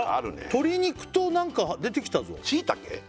鶏肉と何か出てきたぞしいたけ？